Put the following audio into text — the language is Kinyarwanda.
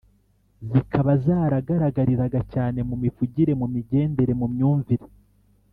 zikaba zaragaragariraga cyane mu mivugire ,mu migendere, mu myumvire